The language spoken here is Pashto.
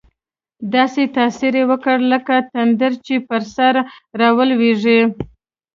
داسې تاثیر یې وکړ، لکه تندر چې پر سر راولوېږي.